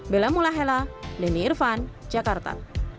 bella mulahela denny irvan jakarta